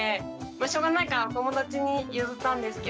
しょうがないから友達に譲ったんですけど。